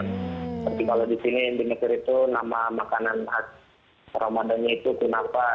tapi kalau di sini di mesir itu nama makanan ramadan itu kenapa